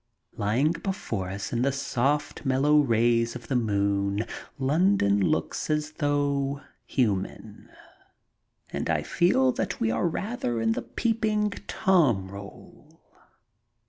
Lying before us in the soft, mellow rays of the moon, London looks as though human, and I feel that we are rather in the Peeping Tom role.